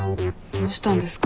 どうしたんですか？